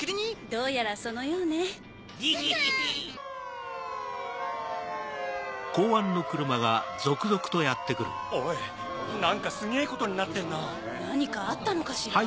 どうやらそのようね。・おい何かすげぇことになってんな・・何かあったのかしら？